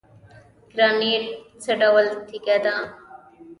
ګرانیټ څه ډول تیږه ده؟